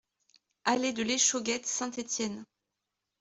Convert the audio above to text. Allée de l'Échauguette, Saint-Étienne